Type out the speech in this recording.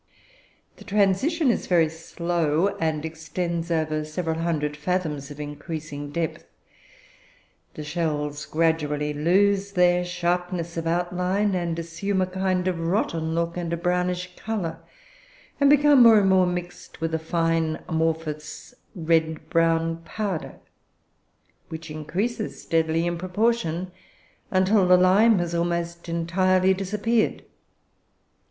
The transition is very slow, and extends over several hundred fathoms of increasing depth; the shells gradually lose their sharpness of outline, and assume a kind of 'rotten' look and a brownish colour, and become more and more mixed with a fine amorphous red brown powder, which increases steadily in proportion until the lime has almost entirely disappeared.